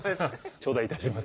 頂戴いたします